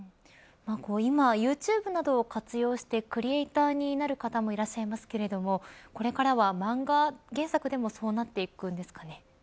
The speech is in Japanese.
今、Ｙｏｕｔｕｂｅなどを活用してクリエイターになる方もいらっしゃいますけれどこれからは漫画原作でもそうなっていくんですかね。